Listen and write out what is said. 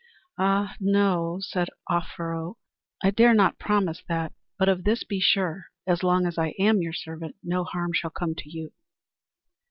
"Ah no," said Offero. "I dare not promise that. But of this be sure, as long as I am your servant, no harm shall come to you."